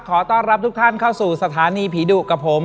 ขอต้อนรับทุกท่านเข้าสู่สถานีผีดุกับผม